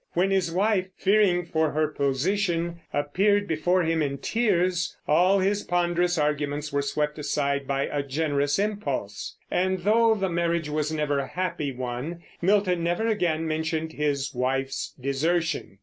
When his wife, fearing for her position, appeared before him in tears, all his ponderous arguments were swept aside by a generous impulse; and though the marriage was never a happy one, Milton never again mentioned his wife's desertion.